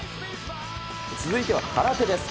続いては空手です。